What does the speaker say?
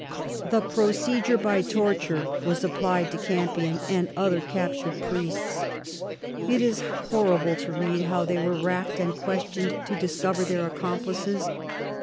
The procedure by torture was applied to Campion THE ALENgON MARRIAGE. 201 and other captured priests. It is horrible to read how they were racked and questioned to discover their accomplices.